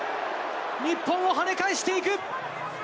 日本をはね返していく！